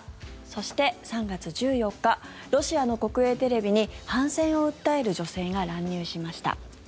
そして、３月１４日ロシアの国営テレビに反戦を訴える女性が乱入しました。